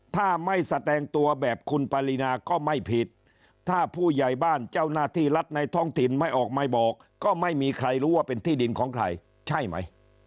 ถ้าไม่แสดงตัวแบบคุณปรินาก็ไม่ผิดถ้าผู้ใหญ่บ้านเจ้าหน้าที่รัฐในท้องถิ่นไม่ออกมาบอกก็ไม่มีใครรู้ว่าเป็นที่ดินของใครใช่ไหม